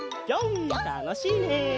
たのしいね！